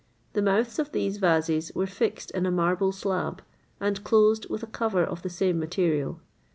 The mouths of these vases were fixed in a marble slab, and closed with a cover of the same material.